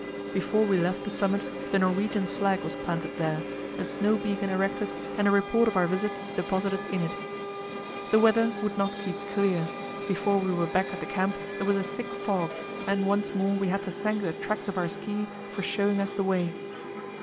Before we left the summit the Norwegian flag was planted there, a snow beacon erected, and a report of our visit deposited in it. The weather would not keep clear; before we were back at the camp there was a thick fog, and once more we had to thank the tracks of our ski for showing us the way.